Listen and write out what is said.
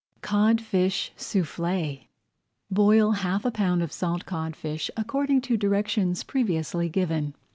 CODFISH SOUFFLÉ Boil half a pound of salt codfish according to directions previously given.